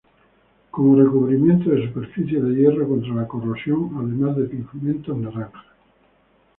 Como recubrimiento de superficies de hierro contra la corrosión, además de pigmento naranja.